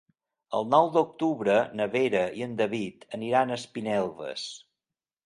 El nou d'octubre na Vera i en David aniran a Espinelves.